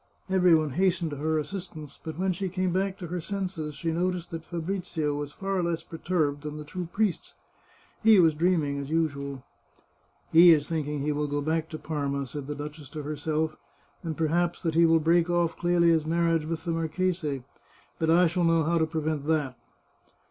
Every one hastened to her assistance, but when she came back to her senses she noticed that Fabrizio was far less perturbed than the two priests ; he was dream ing, as usual. " He is thinking he will go back to Parma," said the duchess to herself, " and perhaps that he will break off Clelia's marriage with the marchese. But I shall know how to prevent that."